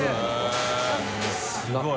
すごい。